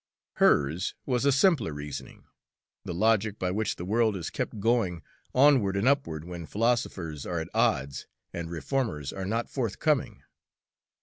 Hers was a simpler reasoning, the logic by which the world is kept going onward and upward when philosophers are at odds and reformers are not forthcoming.